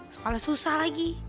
soalnya susah lagi